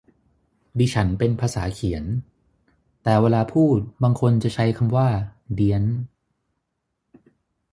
ดิฉันเป็นภาษาเขียน แต่เวลาพูดบางคนจะใช้คำว่าเดี๊ยน